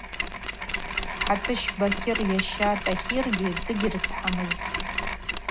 Хӏатӏыщ Бакьыр йаща Тӏахиргьи дыгьрыцхӏамызтӏ.